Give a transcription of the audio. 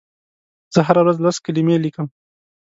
زه هره ورځ لس کلمې لیکم.